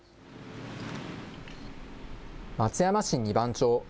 松山市二番町。